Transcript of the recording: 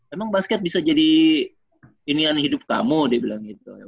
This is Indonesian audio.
emang basket bisa jadi inian hidup kamu dia bilang gitu